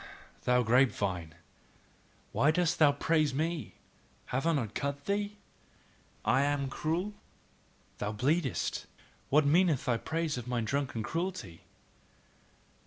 Thou grape vine! Why dost thou praise me? Have I not cut thee! I am cruel, thou bleedest : what meaneth thy praise of my drunken cruelty?